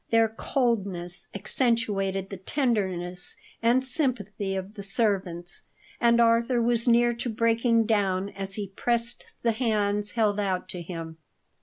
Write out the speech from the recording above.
Their coldness accentuated the tenderness and sympathy of the servants, and Arthur was near to breaking down as he pressed the hands held out to him.